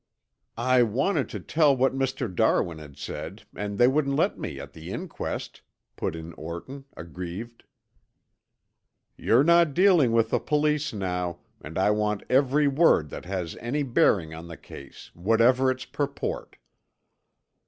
"I wanted to tell what Mr. Darwin had said and they wouldn't let me at the inquest," put in Orton, aggrieved. "You're not dealing with the police now, and I want every word that has any bearing on the case, whatever its purport."